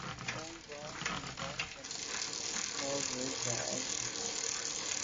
Tɔ̌ ngɔ́ nùngà mfɛ̀n lá bə́ zə̄ à’ bə́ á dʉ̀’ nsí.